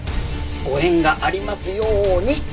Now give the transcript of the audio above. ご縁がありますように！